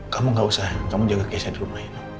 kamu gak usah kamu jaga kesehatan di rumah ino